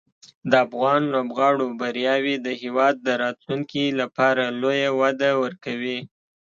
د افغان لوبغاړو بریاوې د هېواد د راتلونکي لپاره لویه وده ورکوي.